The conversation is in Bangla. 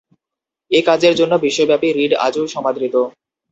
এ কাজের জন্য বিশ্বব্যাপী রিড আজও সমাদৃত।